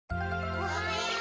おはよう！